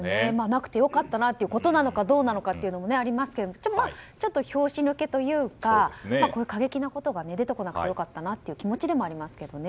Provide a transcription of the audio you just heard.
なくて良かったなということなのかどうかもありますがちょっと拍子抜けというか過激な言葉が出てこなくて良かったなという気持でもありますけどね。